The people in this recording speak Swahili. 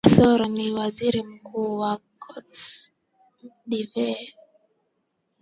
n soroh ni waziri mkuu wa cote divoire